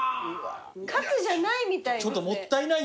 カツじゃないみたいです。